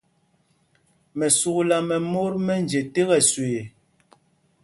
Mɛsúkla mɛ mot mɛ nje tēk ɛsüee.